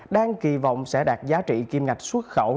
đang kỳ vọng sẽ đạt giá trị kim ngạch xuất khẩu